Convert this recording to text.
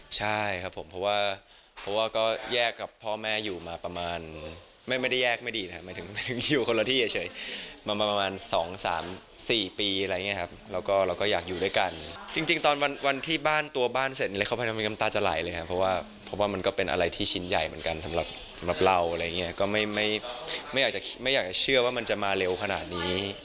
เชื่อว่ามันจะมาเร็วขนาดนี้